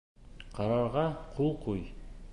Ҡарарға ҡул ҡуй.